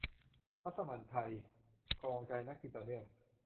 มัสมั่นไทยครองใจนักกินต่อเนื่อง